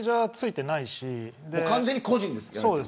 完全に個人ですか。